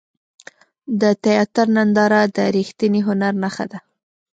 د تیاتر ننداره د ریښتیني هنر نښه ده.